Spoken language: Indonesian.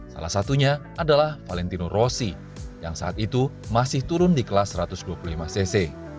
salah satunya adalah valentino rossi yang saat itu masih turun di kelas satu ratus dua puluh lima cc